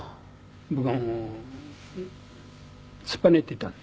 僕はもう突っぱねてたんです。